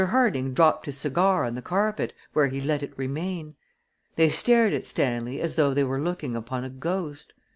Harding dropped his cigar on the carpet, where he let it remain. They stared at Stanley as though they were looking upon a ghost.